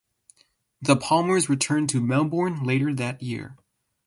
The Palmers returned to Melbourne later that year.